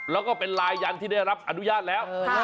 แล้วก็เป็นลายยันที่ได้รับอนุญาตแล้ว